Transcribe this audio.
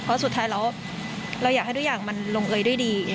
เพราะสุดท้ายแล้วเราอยากให้ทุกอย่างมันลงเอยด้วยดี